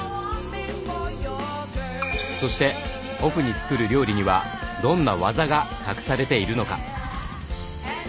そしてオフに作る料理にはどんな技が隠されているのか？